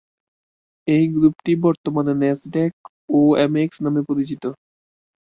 এই গ্রুপটি বর্তমানে ন্যাসড্যাক-ওএমএক্স নামে পরিচিত।